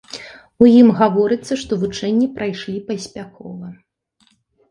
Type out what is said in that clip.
У ім гаворыцца, што вучэнні прайшлі паспяхова.